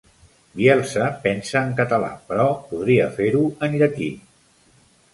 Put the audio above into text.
Bielsa pensa en català, però podria fer-ho en llatí.